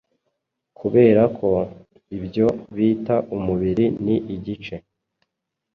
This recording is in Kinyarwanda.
Kuberako ibyo bita Umubiri ni igice